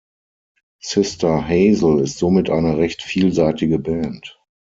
Sister Hazel ist somit eine recht vielseitige Band.